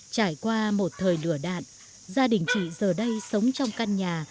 trải qua một thời lửa đạn gia đình chị giờ đây sống trong căn nhà